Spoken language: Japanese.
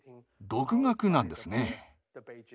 独学なんですね。